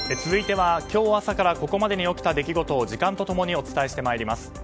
続いては今日朝からここまでに起きた出来事を時間と共にお伝えしてまいります。